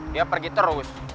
dia pergi terus